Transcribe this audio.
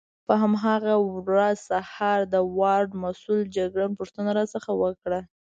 په هماغه ورځ سهار د وارډ مسؤل جګړن پوښتنه راڅخه وکړه.